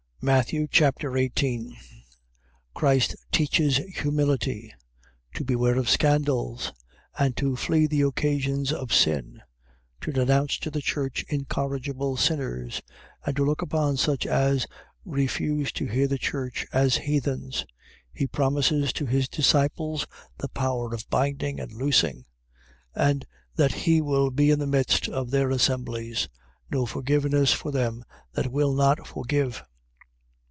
Matthew Chapter 18 Christ teaches humility, to beware of scandal, and to flee the occasions of sin: to denounce to the church incorrigible sinners, and to look upon such as refuse to hear the church as heathens. He promises to his disciples the power of binding and loosing: and that he will be in the midst of their assemblies. No forgiveness for them that will not forgive.